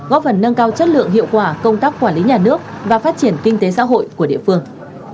góp phần nâng cao chất lượng hiệu quả công tác quản lý nhà nước và phát triển kinh tế xã hội của địa phương